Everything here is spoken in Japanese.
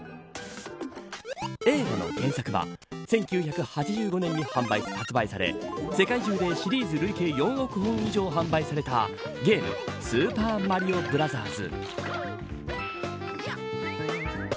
映画の原作は１９８５年に発売され世界中でシリーズ累計４億本以上販売されたゲームスーパーマリオブラザーズ。